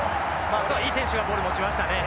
あとはいい選手がボール持ちましたね。